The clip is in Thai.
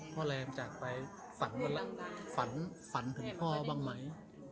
พ่อแรมจากไปฝันถึงพ่อบ้างมั้ย